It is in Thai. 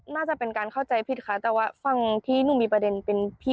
น่าจะเป็นการเข้าใจผิดค่ะแต่ว่าฝั่งที่หนูมีประเด็นเป็นพี่